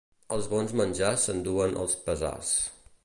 Els bons menjars s'enduen els pesars.